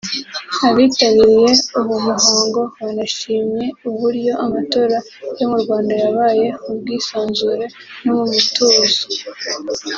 Abitabiriye uwo muhango banashimye uburyo amatora yo mu Rwanda yabaye mu bwisanzure no mu mutuzo